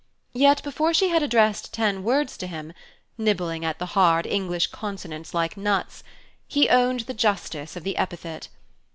Yet before she had addressed ten words to him nibbling at the hard English consonants like nuts he owned the justice of the epithet.